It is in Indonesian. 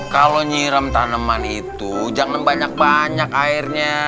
kalau nyiram tanaman itu jangan banyak banyak airnya